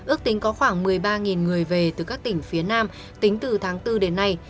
ước tính có khoảng một mươi ba người về từ các tỉnh phía nam tính từ tháng bốn đến nay